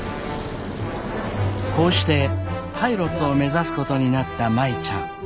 こうしてパイロットを目指すことになった舞ちゃん。